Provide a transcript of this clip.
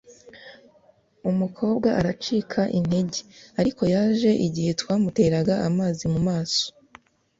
umukobwa aracika intege, ariko yaje igihe twamuteraga amazi mumaso